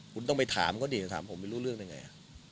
คุณต้องไปถามเขาดิถามผมไม่รู้เรื่องได้ไง